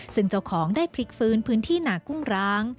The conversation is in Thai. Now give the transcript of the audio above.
ซึ่งเจ้าของได้พลิกฟื้นพื้นที่หนากุ้งร้าง